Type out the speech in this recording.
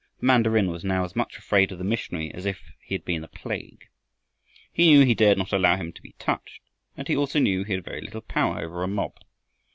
The mandarin was now as much afraid of the missionary as if he had been the plague. He knew he dared not allow him to be touched, and he also knew he had very little power over a mob.